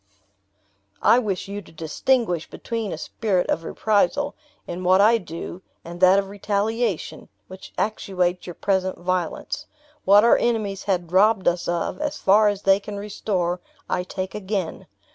"I wish you to distinguish between a spirit of reprisal, in what I do, and that of retaliation, which actuates your present violence. What our enemies had robbed us of, as far as they can restore, I take again.